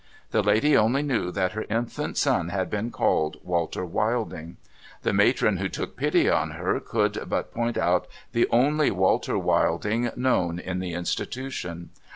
The lady only knew that her infant had been called " Walter Wilding." The matron who took pity on her, could but point out the only " Walter Wilding" known in the Institution.